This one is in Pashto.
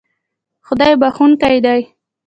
خدای بښونکی دی